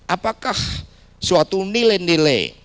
apakah suatu nilai nilai